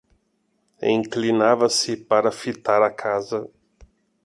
E inclinava-se para fitar a casa...